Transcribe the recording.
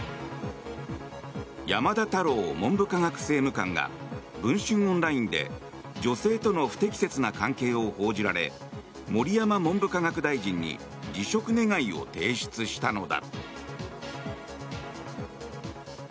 山田太郎文部科学政務官が文春オンラインで女性との不適切な関係を報じられ盛山文部科学大臣に辞職願を提出したのだ。